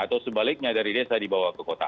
atau sebaliknya dari desa dibawa ke kota